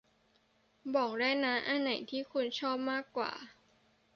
บอกได้นะ อันไหนที่คุณชอบมากกว่า